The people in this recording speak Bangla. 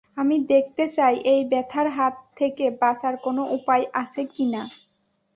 আমি দেখতে চাই এই ব্যথার হাত থেকে বাঁচার কোনো উপায় আছে কি না।